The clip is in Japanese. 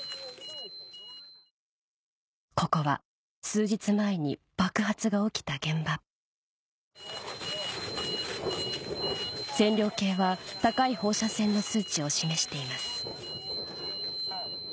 ここは数日前に爆発が起きた現場線量計は高い放射線の数値を示しています